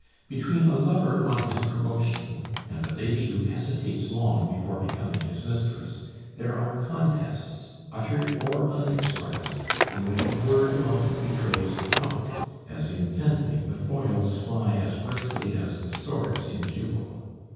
Between a lover on his promotion and a lady who hesitates long before becoming his mistress, there are contests, uttered or unexpressed, in which a word often betrays a thought; as, in fencing, the foils fly as briskly as the swords in duel.